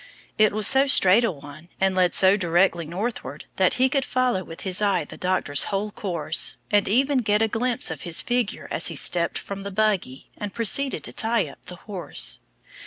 It was so straight a one and led so directly northward that he could follow with his eye the doctor's whole course, and even get a glimpse of his figure as he stepped from the buggy and proceeded to tie up the horse.